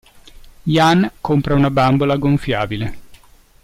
Jan compra una bambola gonfiabile.